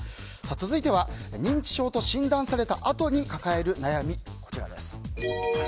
続いては認知症と診断されたあとに抱える悩みについてです。